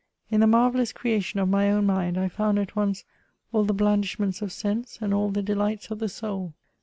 In the marvellous creation of my own mind, I found at once all the blandish ments of sense, and all the delights of the soul.